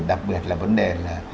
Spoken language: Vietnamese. đặc biệt là vấn đề là